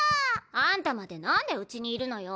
あんたまで何でうちにいるのよ